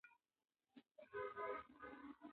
ګل وايي چې زما ژوند یوازې یوه خوله خندېدل دي.